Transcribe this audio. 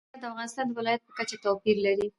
فاریاب د افغانستان د ولایاتو په کچه توپیر لري.